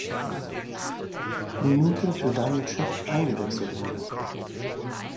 Minute für Daniel Schöpf eingewechselt wurde.